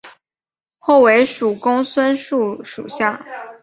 后为蜀公孙述属下。